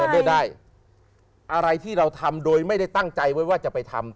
เมื่อได้อะไรที่เราทำโดยไม่ได้ตั้งใจไว้ว่าจะไปทำ